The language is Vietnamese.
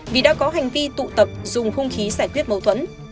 vì đã có hành vi tụ tập dùng hung khí giải quyết mâu thuẫn